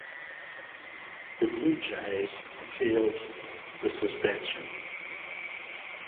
The Blue Jays appealed the suspension.